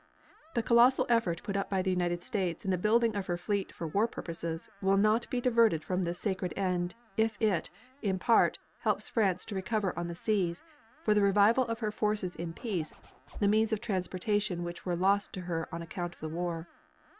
"The colossal effort put up by the United States in the building of her fleet for war purposes will not be diverted from this sacred end if it, in part, helps France to recover on the seas, for the revival of her forces in peace, the means of transportation which were lost to her on account of the war.